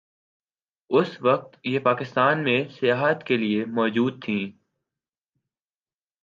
اس وقت یہ پاکستان میں سیاحت کے لیئے موجود تھیں۔